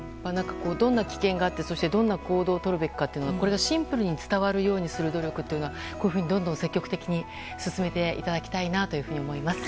どんな危険があってどんな行動をとるべきかがシンプルに伝わるようにする努力というのはどんどん積極的に進めていただきたいなと思います。